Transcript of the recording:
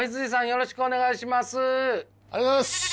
よろしくお願いします。